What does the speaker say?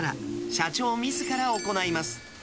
社長みずから行います。